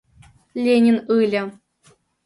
Ленин ыле